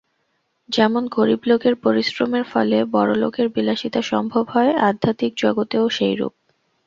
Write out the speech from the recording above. যেমন গরীব লোকের পরিশ্রমের ফলে বড় লোকের বিলাসিতা সম্ভব হয়, আধ্যাত্মিক জগতেও সেইরূপ।